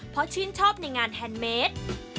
เพราะชื่นชอบในงานแฮนด์เมด